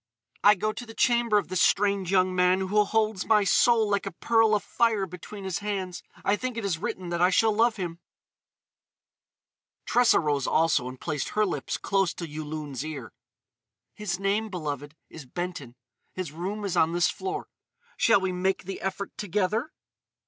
I go to the chamber of this strange young man who holds my soul like a pearl afire between his hands.... I think it it written that I shall love him." Tressa rose also and placed her lips close to Yulun's ear: "His name, beloved, is Benton. His room is on this floor. Shall we make the effort together?"